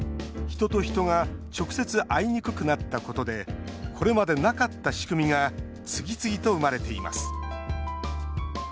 人と人が直接、会いにくくなったことでこれまでなかった仕組みが次々と生まれています。